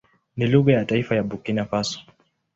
Ni lugha ya taifa ya Burkina Faso.